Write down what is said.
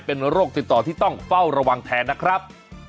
เป็นโรคติดต่อที่ต้องเฝ้าระวังแทนนะครับ